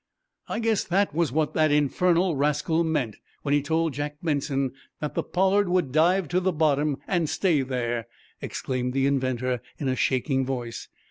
"I guess that was what the infernal rascal meant when he told Jack Benson that the 'Pollard' would dive to the bottom and stay there," exclaimed the inventor, in a shaking voice.